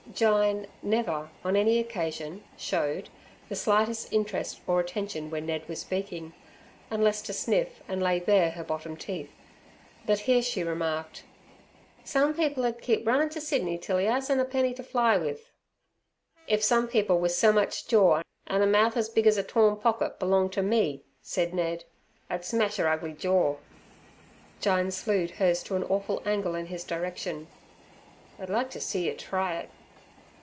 Jyne never, on any occasion, showed the slightest interest or attention when Ned was speaking, unless to sniff and lay bare her bottom teeth, but here she remarked, "Sum people 'ud keep runnin' ter Sydney till 'e 'asen' er penny ter fly with." "If sum people with ser much jawr, an' er mouth es big es 'er torn pocket, belonged ter me," said Ned, "I'd smash 'er ugly jawr." Jyne slewed hers to an awful angle in his direction. "I'd like ter see yer try it."